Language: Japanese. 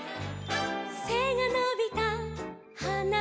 「せがのびたはなたち」